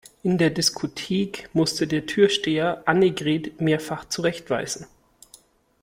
In der Diskothek musste der Türsteher Annegret mehrfach zurechtweisen.